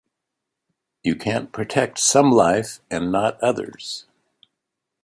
You can't protect some life and not others.